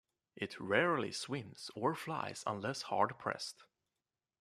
It rarely swims or flies unless hard pressed.